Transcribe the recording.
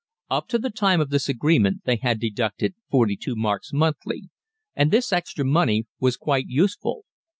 Up to the time of this agreement they had deducted 42 marks monthly, and this extra money was quite useful.